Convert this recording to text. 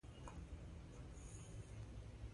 هغه د موټر له مخکیني سیټ نه پورته شو.